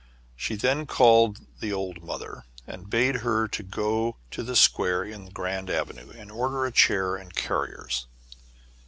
She then called the " old mother," and bade her to go to the square in Grand Avenue, and order a chair and carriers.